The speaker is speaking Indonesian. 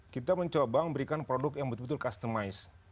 kita mencoba memberikan produk yang betul betul customize